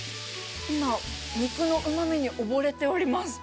今、肉のうまみに溺れております。